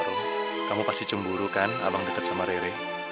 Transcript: rum kamu pasti cemburu kan abang deket sama rere